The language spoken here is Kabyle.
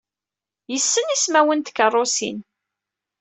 Yessen ismawen n tkeṛṛusin.